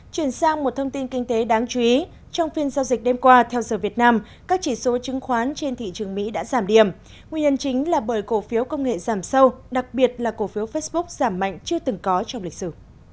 chuyển sang một thông tin kinh tế đáng chú ý trong phiên giao dịch đêm qua theo giờ việt nam các chỉ số chứng khoán trên thị trường mỹ đã giảm điểm nguyên nhân chính là bởi cổ phiếu công nghệ giảm sâu đặc biệt là cổ phiếu facebook giảm mạnh chưa từng có trong lịch sử